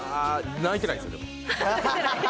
泣いてないですよ。